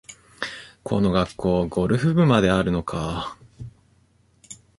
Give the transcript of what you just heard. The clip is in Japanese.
この学校、ゴルフ部まであるのかあ